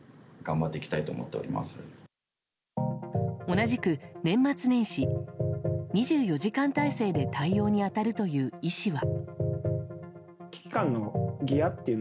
同じく年末年始２４時間態勢で対応に当たるという医師は。